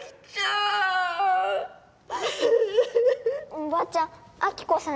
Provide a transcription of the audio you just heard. おばちゃん亜希子さん